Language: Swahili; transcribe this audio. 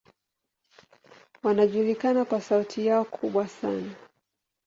Wanajulikana kwa sauti yao kubwa sana.